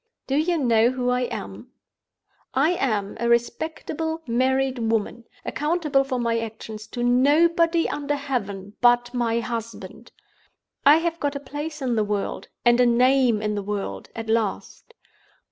Do you know who I am? I am a respectable married woman, accountable for my actions to nobody under heaven but my husband. I have got a place in the world, and a name in the world, at last.